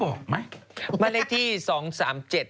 ปลาหมึกแท้เต่าทองอร่อยทั้งชนิดเส้นบดเต็มตัว